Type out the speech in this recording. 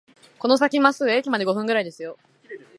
この先まっすぐ、駅まで五分くらいですよ